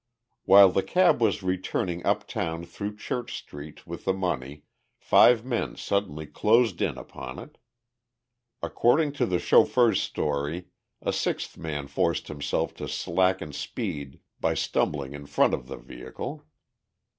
While the cab was returning uptown through Church street with the money, five men suddenly closed in upon it. According to the chauffeur's story, a sixth man forced him to slacken speed by stumbling in front of the vehicle.